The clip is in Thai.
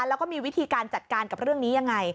แล้วก็มีวิธีการจัดการกับเรื่องนี้ยังไง